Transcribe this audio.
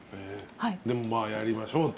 でもまあやりましょうって。